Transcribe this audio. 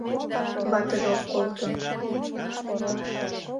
Ватыже ок колто...